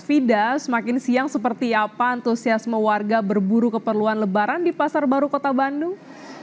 fida semakin siang seperti apa antusiasme warga berburu keperluan lebaran di pasar baru kota bandung